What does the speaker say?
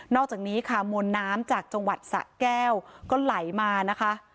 อกจากนี้ค่ะมวลน้ำจากจังหวัดสะแก้วก็ไหลมานะคะ